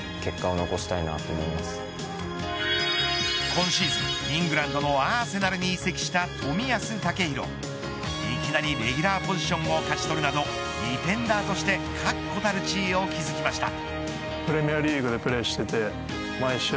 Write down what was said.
今シーズン、イングランドのアーセナルに移籍した冨安健洋いきなりレギュラーポジションを獲得するなどディフェンダーとして確固たる地位を築きました。